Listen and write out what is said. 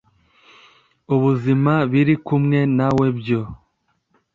ubuzima biri kumwe nawe byo